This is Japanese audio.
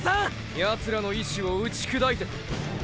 ヤツらの意思を打ち砕いてこい！！